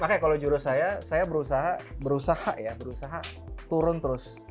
makanya kalau jurus saya saya berusaha turun terus